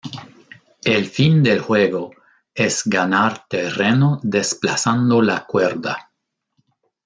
El fin del juego es ganar terreno desplazando la cuerda.